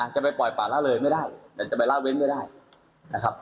จะไปปล่อยป่าละเลยไม่ได้แต่จะไปละเว้นไม่ได้นะครับ